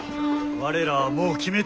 我らはもう決めたのだ。